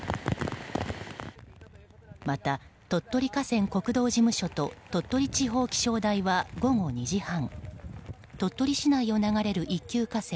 また鳥取河川国道事務所と鳥取地方気象台は午後２時半、鳥取市内を流れる一級河川